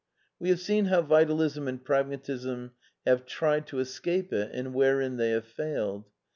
We have seen how Vitalism and Pragmatism have tried to escape it and wherein they have failed.